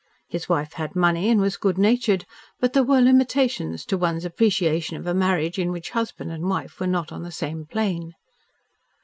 His wife had money and was good natured, but there were limitations to one's appreciation of a marriage in which husband and wife were not on the same plane.